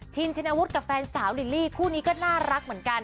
ชินวุฒิกับแฟนสาวลิลลี่คู่นี้ก็น่ารักเหมือนกัน